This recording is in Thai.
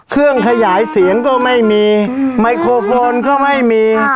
เครื่องขยายเสียงก็ไม่มีไมโครโฟนก็ไม่มี